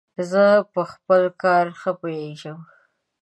زه په خپل کار ښه پوهیژم.